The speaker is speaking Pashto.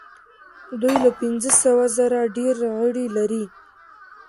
دوی له پنځه سوه زره ډیر غړي لري.